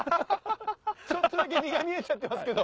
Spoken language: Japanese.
ちょっとだけ身が見えちゃってますけど！